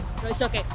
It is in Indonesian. udah it's okay